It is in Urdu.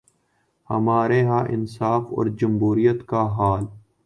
ہمارے ہاں انصاف اور جمہوریت کا حال۔